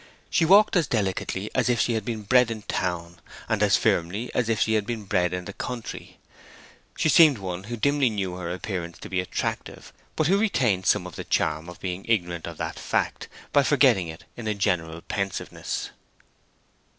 She walked as delicately as if she had been bred in town, and as firmly as if she had been bred in the country; she seemed one who dimly knew her appearance to be attractive, but who retained some of the charm of being ignorant of that fact by forgetting it in a general pensiveness.